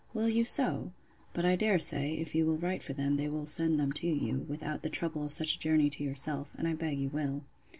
Will you so? But I dare say, if you will write for them, they will send them to you, without the trouble of such a journey to yourself: and I beg you will.